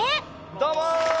どうも！